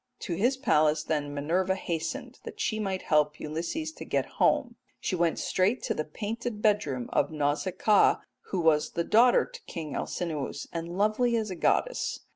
To his palace then Minerva hastened that she might help Ulysses to get home. "She went straight to the painted bedroom of Nausicaa, who was daughter to King Alcinous, and lovely as a goddess.